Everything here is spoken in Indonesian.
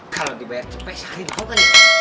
kalau dibayar cepet sehari hari